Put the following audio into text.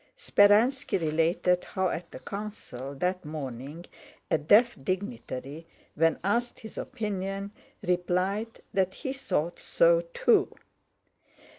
Speránski related how at the Council that morning a deaf dignitary, when asked his opinion, replied that he thought so too.